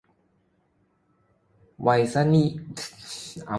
ไวษณวี - ทมยันตี